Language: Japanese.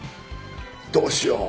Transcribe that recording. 「どうしよう？